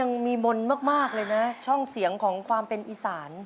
ยังมีมนต์มากเลยนะช่องเสียงของความเป็นอีสาน